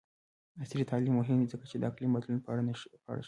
عصري تعلیم مهم دی ځکه چې د اقلیم بدلون په اړه ښيي.